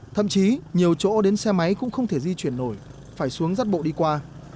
thậm chí nhiều chỗ đến xe máy cũng không thể di chuyển nổi phải xuống rắt bộ đi qua